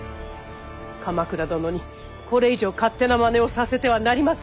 鎌倉殿にこれ以上勝手なまねをさせてはなりません。